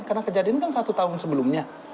karena kejadian kan satu tahun sebelumnya